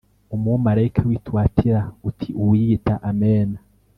umumarayika w i Tuwatira uti “uwiyita amena”